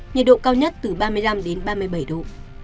nhiệt độ cao nhất từ ba mươi năm đến ba mươi bảy độ